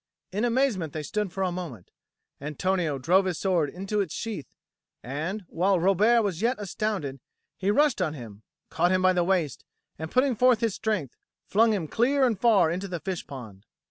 In amazement they stood for a moment: Antonio drove his sword into its sheath, and, while Robert was yet astounded, he rushed on him, caught him by the waist, and, putting forth his strength, flung him clear and far into the fish pond.